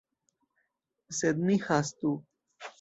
Sed ni hastu.